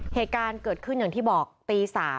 เหตุการณ์เกิดขึ้นอย่างที่บอกตี๓